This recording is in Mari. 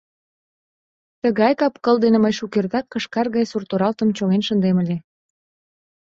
Тыгай кап-кыл дене мый шукертак кышкар гай сурт-оралтым чоҥен шындем ыле.